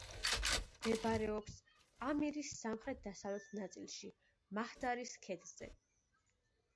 მდებარეობს პამირის სამხრეთ-დასავლეთ ნაწილში, შაჰდარის ქედზე.